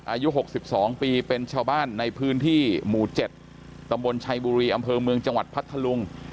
อายุ๖๒ปีเป็นชาวบ้านในพื้นที่หมู่๗ตำบลชัยบุรีอำเภอเมืองจังหวัดพัทธลุง